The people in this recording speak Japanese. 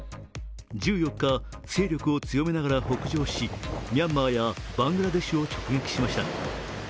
１４日、勢力を強めながら北上し、ミャンマーやバングラデシュを直撃しました。